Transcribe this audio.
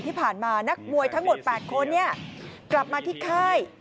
นักมวยทั้งหมด๘คนกลับมาที่ค่าย